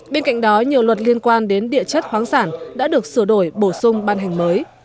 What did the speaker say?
bên cạnh đó nhiều luật liên quan đến địa chất khoáng sản đã được sửa đổi bổ sung ban hành mới